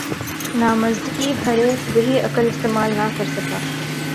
نامزدگی بھرے، وہی عقل استعمال نہ کر سکا۔